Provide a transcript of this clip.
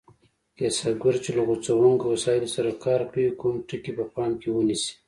کسبګر چې له غوڅوونکو وسایلو سره کار کوي کوم ټکي په پام کې ونیسي؟